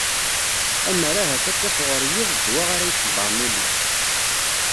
Ammer ahat ad taf ɣur yiḍ ddwa ara iṣebbren ul-is.